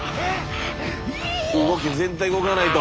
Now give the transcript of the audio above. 動け全体動かないと！